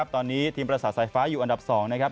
ตอนนี้ทีมประสาทสายฟ้าอยู่อันดับ๒นะครับ